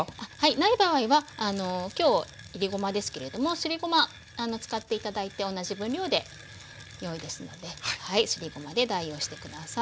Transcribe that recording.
ない場合は今日いりごまですけれどもすりごま使って頂いて同じ分量でよいですのですりごまで代用して下さい。